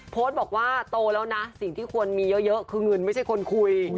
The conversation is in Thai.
โพสต์บอกว่าโตแล้วนะสิ่งที่ควรมีเยอะคือเงินไม่ใช่คนคุย